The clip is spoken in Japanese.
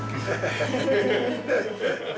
ハハハハ。